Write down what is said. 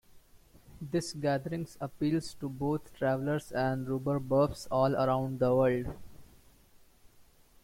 These "gatherings" appeal to both travellers and "rhubarb buffs" all around the world.